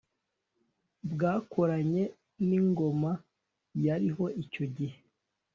bwakoranye n'ingoma yariho icyo gihe